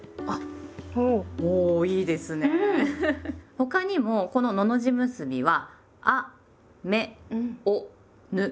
他にもこの「のの字結び」は「あ・め・お・ぬ」